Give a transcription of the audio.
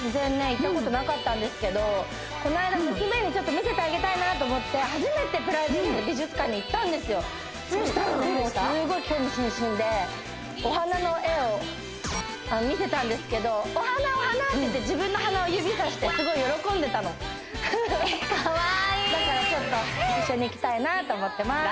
行ったことなかったんですけどこないだ娘にちょっと見せてあげたいなと思って初めてプライベートで美術館に行ったんですよそしたらねもうお花の絵を見せたんですけど「おはな！おはな！」って自分の鼻を指さしてすごい喜んでたのかわいいだからちょっと一緒に行きたいなと思ってます